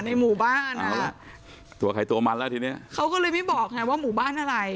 ในหมู่บ้านเอาล่ะตัวใครตัวมันแล้วทีเนี้ยเขาก็เลยไม่บอกไงว่าหมู่บ้านอะไร